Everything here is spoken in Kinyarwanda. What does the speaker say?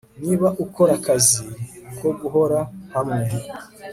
Niba ukora akazi ko guhora hamwe